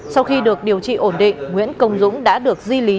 sau khi được điều trị ổn định nguyễn công dũng đã được di lý